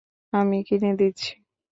আমি কিনে দিচ্ছি।